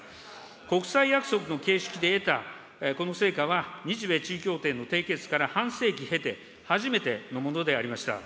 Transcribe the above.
国際約束の形式で得たこの成果は、日米地位協定の締結から半世紀経て、初めてのものでありました。